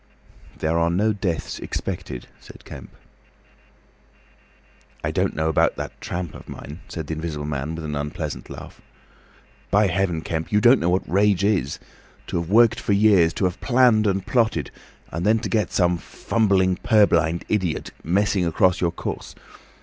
"There are no deaths expected," said Kemp. "I don't know about that tramp of mine," said the Invisible Man, with an unpleasant laugh. "By Heaven, Kemp, you don't know what rage is! ... To have worked for years, to have planned and plotted, and then to get some fumbling purblind idiot messing across your course!